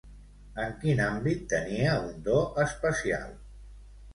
En quin àmbit tenia un do especial?